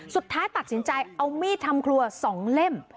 สุดท้ายตัดสินใจเอามีดทำครัว๒เล่ม